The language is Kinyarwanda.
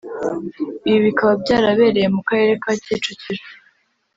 Ibi bikaba byarabereye mu karere ka Kicukiro